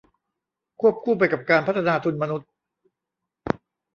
ควบคู่ไปกับการพัฒนาทุนมนุษย์